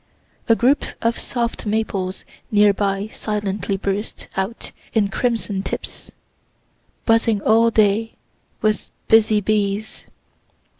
A group of soft maples near by silently bursts out in crimson tips, buzzing all day with busy bees.